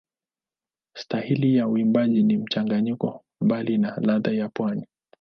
Staili ya uimbaji ni mchanganyiko mkali na ladha za pwani.